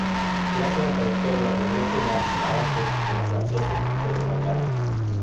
Gracias a esta victoria logró frenar el avance de los franceses por los Balcanes.